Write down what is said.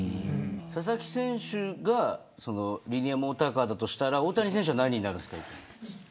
佐々木選手がリニアモーターカーだとしたら大谷選手は何になるんですかね。